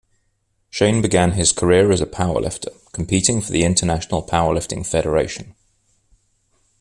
Shane began his career as a powerlifter, competing for the International Powerlifting Federation.